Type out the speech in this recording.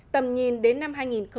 tầm nhìn đến năm hai nghìn ba mươi